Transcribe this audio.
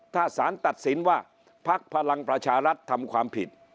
ถ้าสารตัดสินว่าพักพลังประชารัฐทำความผิด